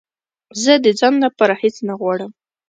زه د ځان لپاره هېڅ نه غواړم